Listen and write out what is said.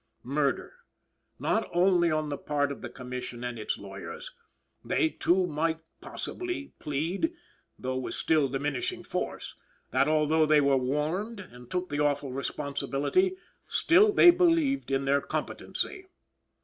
Murder, not only on the part of the Commission and its lawyers; they too might, possibly, plead though with still diminishing force that, although they were warned and took the awful responsibility, still they believed in their competency.